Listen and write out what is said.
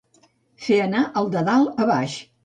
Fer anar el de dalt a baix.